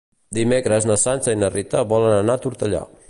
Dimecres na Sança i na Rita volen anar a Tortellà.